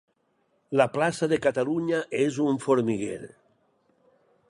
La plaça de Catalunya és un formiguer.